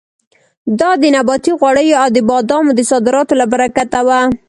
دا د نباتي غوړیو او د بادامو د صادراتو له برکته وه.